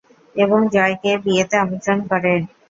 এবং জয়কে বিয়ে তে আমন্ত্রন করে।